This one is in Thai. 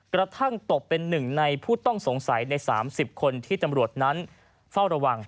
กระทั่งตกเป็นหนึ่งในผู้ต้องสงสัยใน๓๐คนที่ตำรวจนั้นเฝ้าระวัง